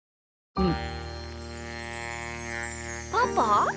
うん。